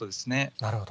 なるほど。